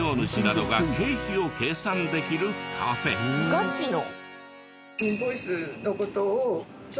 ガチの？